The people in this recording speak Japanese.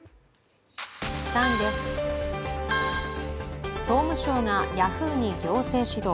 ３位です、総務省がヤフーに行政指導。